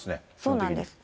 そうなんです。